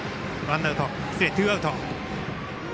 ツーアウト。